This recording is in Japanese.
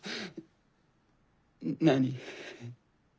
何？